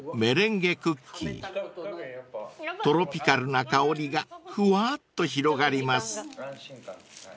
［トロピカルな香りがふわっと広がります］